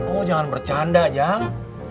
oh jangan bercanda yang